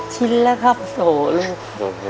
ชินละครับโหลลูก